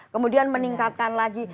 kemudian meningkatkan lagi